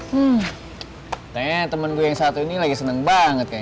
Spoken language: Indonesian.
hmm kayaknya temen gue yang satu ini lagi seneng banget kayak